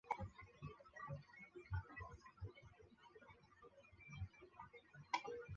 选手用这种方式控制母球停下来的位置。